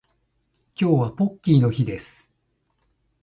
今日はポッキーの日です